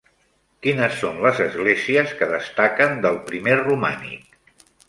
Quines són les esglésies que destaquen del primer romànic?